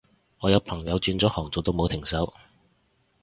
我有朋友轉咗行做到冇停手